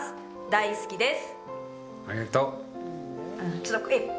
大好きです。」